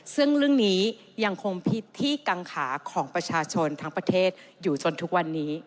ซึ่งเรื่องนี้ยังคงผิดที่กังขาของประชาชนทั้งประเทศอยู่จนทุกวันนี้